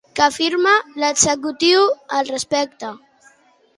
Què afirma l'executiu al respecte?